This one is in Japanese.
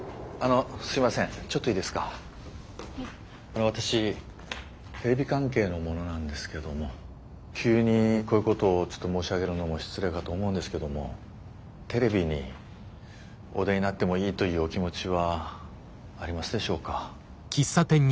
あの私テレビ関係の者なんですけども急にこういうことをちょっと申し上げるのも失礼かと思うんですけどもテレビにお出になってもいいというお気持ちはありますでしょうか？